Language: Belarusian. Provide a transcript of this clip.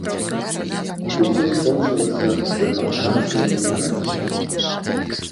Усё скончылася дэпартацыяй на радзіму.